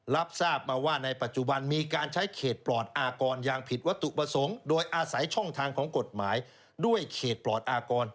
รับทราบมาว่าในปัจจุบันมีการใช้เขตปลอดอากรอย่างผิดวัตถุประสงค์โดยอาศัยช่องทางของกฎหมายด้วยเขตปลอดอากร